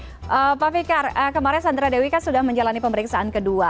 oke pak fikar kemarin sandra dewi kan sudah menjalani pemeriksaan kedua